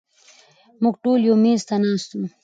مونږ ټول يو مېز ته ناست وو